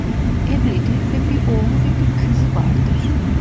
Evlidir ve bir oğlu ve bir kızı vardır.